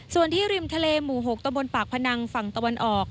ส่วนที่ริมทะเลหมู่๖ตะบนปากพนังฝั่งตะวันออก